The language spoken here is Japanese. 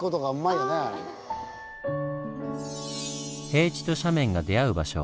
平地と斜面が出会う場所